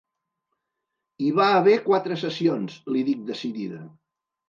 Hi va haver quatre sessions –li dic decidida–.